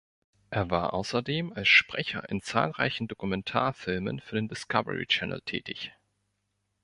Er war außerdem als Sprecher in zahlreichen Dokumentarfilmen für den Discovery Channel tätig.